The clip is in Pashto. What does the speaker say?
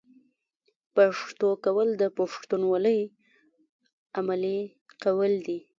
پښتو کول د پښتونولۍ عملي کول دي.